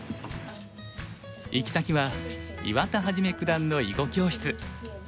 行き先は岩田一九段の囲碁教室。